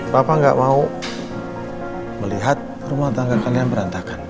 papa gak mau melihat rumah tangga kalian berantakan